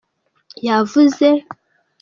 yavuze.